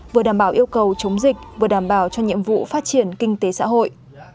vừa đảm bảo yêu cầu chống dịch vừa đảm bảo cho nhiệm vụ phát triển kinh tế xã hội